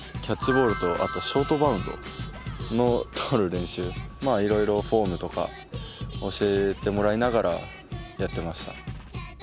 キャッチボールとショートバウンドの捕る練習色々フォームとか教えてもらいながらやってました。